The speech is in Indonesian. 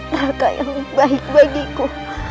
raka yang baik bagiku